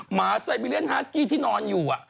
หมาไซบีเรียนฮาสกี้ที่นอนอยู่